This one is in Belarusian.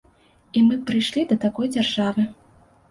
І мы б прыйшлі да такой дзяржавы.